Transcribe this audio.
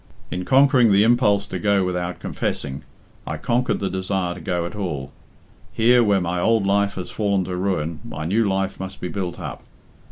In conquering the impulse to go without confessing, I conquered the desire to go at all. Here, where my old life has fallen to ruin, my new life must be built up.